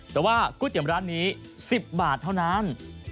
แต่ว่าก๋วยเตี๋ยวร้านนี้๑๐บาทเท่านั้น